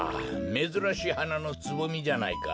めずらしいはなのつぼみじゃないか。